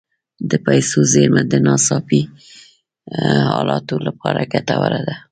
د پیسو زیرمه د ناڅاپي حالاتو لپاره ګټوره ده.